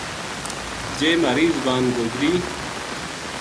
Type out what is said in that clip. جے مھاری زبان گوجری